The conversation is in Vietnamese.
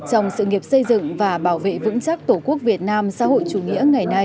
trong sự nghiệp xây dựng và bảo vệ vững chắc tổ quốc việt nam xã hội chủ nghĩa ngày nay